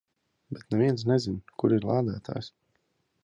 Bet neviens nezin, kur ir lādētājs.